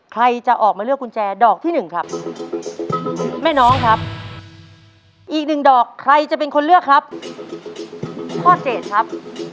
ใครจะออกมาเลือกกุญแจดอกที่หนึ่งครับแม่น้องครับอีกหนึ่งดอกใครจะเป็นคนเลือกครับข้อเจ็ดครับ